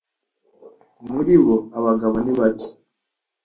muribo abagabo nibake.